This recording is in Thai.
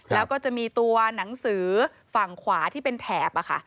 แล้วก็จะมีตัวหนังสือฝั่งขวาที่เป็นแถบ